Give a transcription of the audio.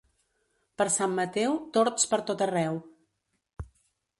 Per Sant Mateu, tords per tot arreu.